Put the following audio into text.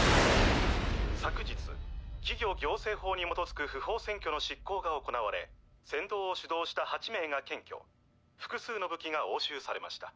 昨日企業行政法に基づく不法占拠の執行が行われ扇動を主導した８名が検挙複数の武器が押収されました。